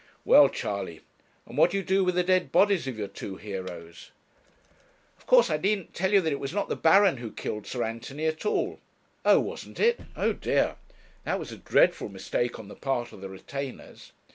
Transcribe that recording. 'Well, Charley, and what do you do with the dead bodies of your two heroes?' 'Of course I needn't tell you that it was not the Baron who killed Sir Anthony at all.' 'Oh! wasn't it? O dear that was a dreadful mistake on the part of the retainers.'